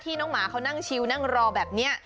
น้องหมาเขานั่งชิวนั่งรอแบบนี้